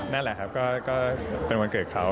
นั่นแหละครับก็เป็นวันเกิดเขา